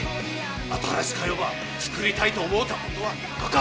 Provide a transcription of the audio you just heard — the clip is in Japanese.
新しか世ば作りたいと思うたことはなかか？